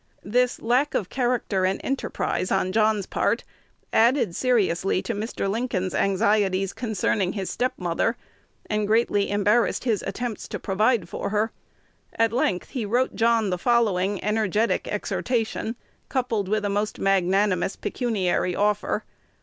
This lack of character and enterprise on John's part added seriously to Mr. Lincoln's anxieties concerning his step mother, and greatly embarrassed his attempts to provide for her. At length he wrote John the following energetic exhortation, coupled with a most magnanimous pecuniary offer.